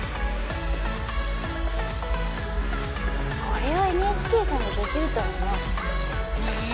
これはＮＨＫさんでできるとはね。